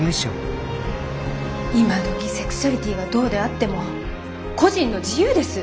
今どきセクシュアリティがどうであっても個人の自由です。